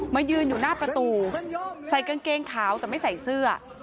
ยืนอยู่หน้าประตูใส่กางเกงขาวแต่ไม่ใส่เสื้อ